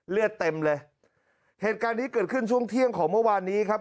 เลือดเต็มเลยเหตุการณ์นี้เกิดขึ้นช่วงเที่ยงของเมื่อวานนี้ครับ